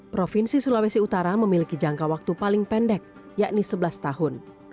provinsi sulawesi utara memiliki jangka waktu paling pendek yakni sebelas tahun